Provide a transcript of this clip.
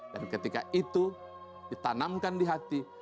dan ketika itu ditanamkan di hati